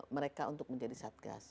mereka untuk menjadi satgas